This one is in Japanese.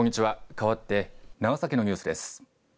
かわって長崎のニュースです。